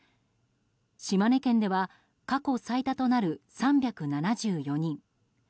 島根県では過去最多となる３７４人。